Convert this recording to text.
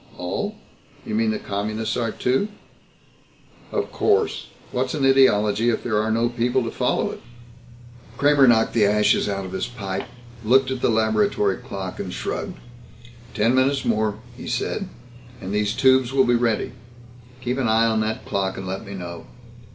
"All? You mean the Communists are, too?" "Of course. What's an ideology if there are no people to follow it?" Kramer knocked the ashes out of his pipe, looked at the laboratory clock and shrugged. "Ten minutes more," he said, "and these tubes will be ready. Keep an eye on that clock and let me know.